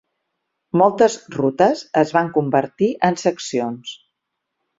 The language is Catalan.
Moltes rutes es van convertir en seccions.